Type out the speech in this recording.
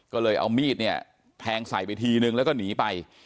ก็เลยเอามีดเนี่ยแทงใส่ไปทีนึงแล้วก็หนีไป